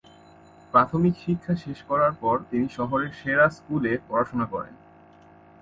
প্রাথমিক শিক্ষা শেষ করার পর, তিনি শহরের সেরা স্কুলে পড়াশোনা করেন।